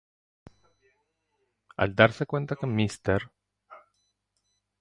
Al darse cuenta de que Mr.